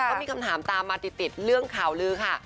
ก็มีคำถามตามมาติดเรื่องข่าวลือค่ะ